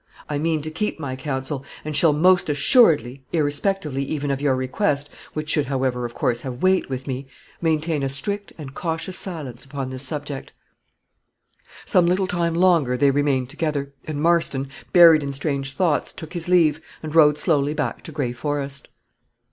I mean to keep my counsel, and shall most assuredly, irrespectively even of your request which should, however, of course, have weight with me maintain a strict and cautious silence upon this subject." Some little time longer they remained together, and Marston, buried in strange thoughts, took his leave, and rode slowly back to Gray Forest.